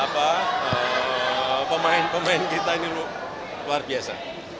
pemain pemain kita ini luar biasa